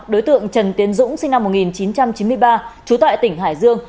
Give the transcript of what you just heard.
đối tượng trần tiến dũng sinh năm một nghìn chín trăm chín mươi ba trú tại tỉnh hải dương